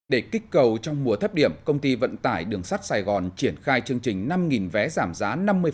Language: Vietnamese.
để kích cầu trong mùa thấp điểm công ty vận tải đường sắt sài gòn triển khai chương trình năm vé giảm giá năm mươi